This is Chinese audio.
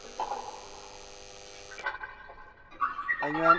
欲了解更多信息请见洛桑高商网站。